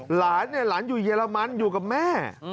หลานอยู่เยอรมันอยู่กับแม่